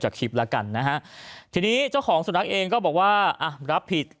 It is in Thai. จากคลิปแล้วกันนะทีนี้เจ้าสนักเองก็บอกว่ารับผิด